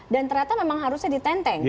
dan ternyata memang harusnya ditenteng gitu